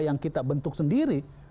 yang kita bentuk sendiri